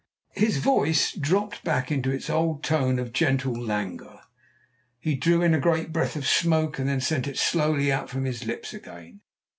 His voice dropped back into its old tone of gentle languor. He drew in a great breath of smoke and then sent it slowly out from his lips again.